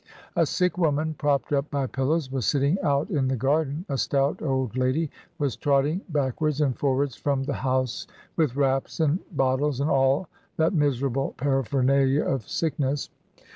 A sick woman, propped up by pillows, was sitting out in the garden, a stout old lady was trotting back wards and forwards from the house with wraps and bottles and all that miserable paraphernalia of sick ness.